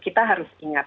kita harus ingat